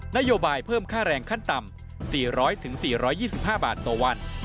นโยบายเพิ่มค่าแรงขั้นต่ำ๔๐๐๔๒๕บาทต่อวัน